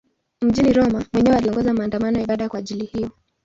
Mjini Roma mwenyewe aliongoza maandamano ya ibada kwa ajili hiyo.